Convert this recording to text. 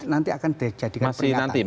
nanti akan dijadikan pernyataan